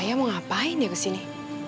ayah mau ngapain ya kesini